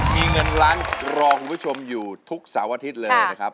มีเงินล้านรอคุณผู้ชมอยู่ทุกเสาร์อาทิตย์เลยนะครับ